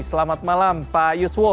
selamat malam pak yoswo